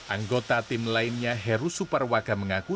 anggota tim lainnya heru suparwaka mengaku